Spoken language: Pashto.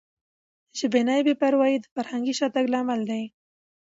ژبني بې پروایي د فرهنګي شاتګ لامل کیږي.